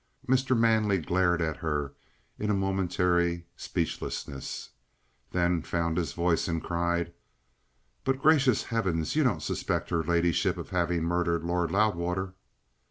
Mr. Manley glared at her in a momentary speechlessness; then found his voice and cried: "But, gracious heavens! You don't suspect her ladyship of having murdered Lord Loudwater?"